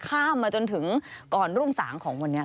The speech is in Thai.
ข้ามมาจนถึงกรรมรุ่งสามของวันนี้